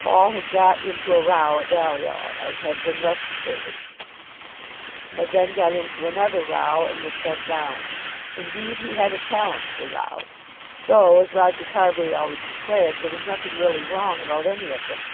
Paul had got into a "row" at Balliol, and had been rusticated, had then got into another row, and was sent down. Indeed he had a talent for rows, though, as Roger Carbury always declared, there was nothing really wrong about any of them.